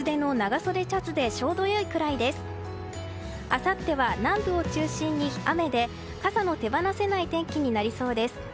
あさっては南部を中心に雨で傘の手放せない天気になりそうです。